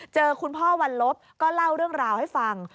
คุณพ่อวันลบก็เล่าเรื่องราวให้ฟัง